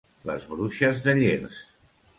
Les Bruixes de Llers.